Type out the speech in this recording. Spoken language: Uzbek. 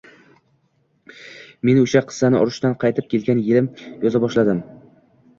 Men o‘sha qissani urushdan qaytib kelgan yilim yoza boshladim